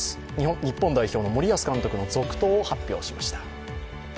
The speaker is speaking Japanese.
日本代表の森保監督の続投を発表しました。